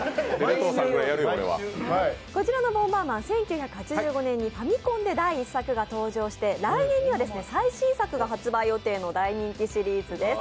こちらの「ボンバーマン」１９８５年にファミコンで第１作が登場して来年には最新作が発売予定の大人気シリーズです。